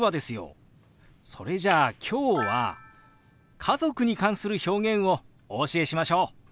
それじゃあ今日は家族に関する表現をお教えしましょう！